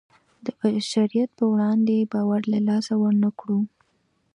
د بشریت په وړاندې باور له لاسه ورنکړو.